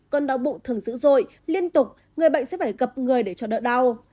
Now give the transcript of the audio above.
cơn đau bụng thường dữ dội liên tục người bệnh sẽ phải gặp người để cho đỡ đau